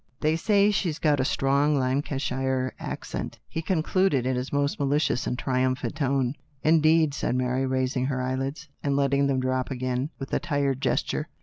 They say she's got a strong Lancashire accent," he concluded in his most malicious and trium phant tone. " Indeed," said Mary, raising her eyelids, and letting them drop again with a tired gesture.